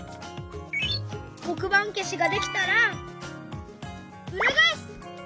こくばんけしができたらうらがえす！